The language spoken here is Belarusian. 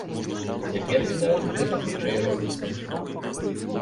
Цяпер, відаць, гэта хутчэй робіцца.